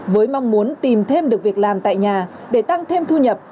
với mong muốn tìm thêm được việc làm tại nhà để tăng thêm thu nhập